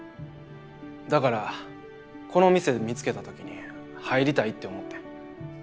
だからこの店見つけた時に入りたいって思ってん。